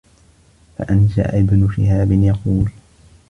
فَأَنْشَأَ ابْنُ شِهَابٍ يَقُولُ